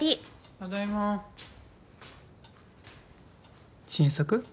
ただいま新作？